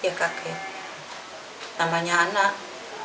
iya kaget namanya anak kaget sedih